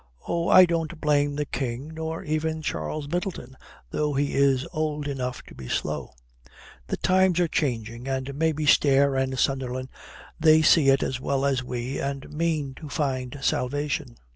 Oh, I don't blame the King nor even Charles Middleton, though he is old enough to be slow. The times are changing, and maybe Stair and Sunderland they see it as well as we, and mean to find salvation.